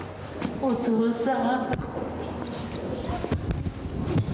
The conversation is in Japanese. お父さん。